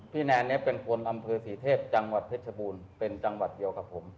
แนนเนี่ยเป็นคนอำเภอศรีเทพจังหวัดเพชรบูรณ์เป็นจังหวัดเดียวกับผม